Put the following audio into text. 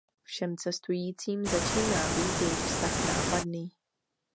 Všem cestujícím začíná být jejich vztah nápadný.